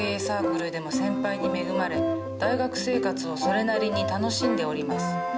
サークルでも先輩に恵まれ大学生活をそれなりに楽しんでおります。